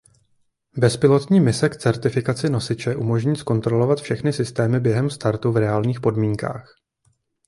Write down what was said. Bezpilotní mise k certifikaci nosiče umožní zkontrolovat všechny systémy během startu v reálných podmínkách.